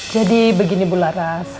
jadi begini bu laras